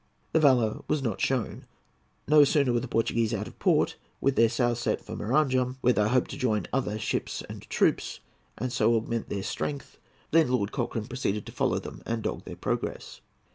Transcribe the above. The valour was not shown. No sooner were the Portuguese out of port, with their sails set for Maranham, where they hoped to join other ships and troops, and so augment their strength, than Lord Cochrane proceeded to follow them and dog their progress.